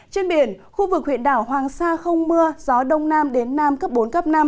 trên biển khu vực huyện đảo hoàng sa không mưa gió đông nam đến nam cấp bốn cấp năm